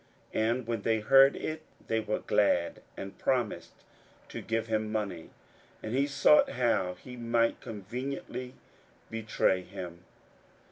41:014:011 And when they heard it, they were glad, and promised to give him money. And he sought how he might conveniently betray him.